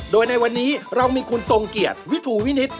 โดยในวันนี้เรามีคุณทรงเกียรติวิทูวินิต